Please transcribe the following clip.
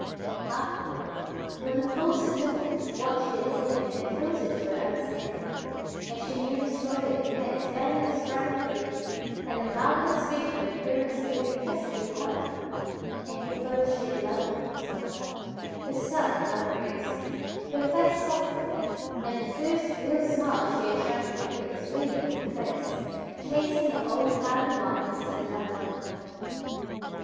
Afterward when the full significance of what she had seen there had filtered to her understanding and she knew the story of the cat's valiant struggle with death and the marvelous feat of her perilous journey just to "be home" and with those she had "loved and lost a while," herself among the rest, her face softened and the first real smile she had shown for years beamed on her face, chasing the old hardened lines to the jumping off point.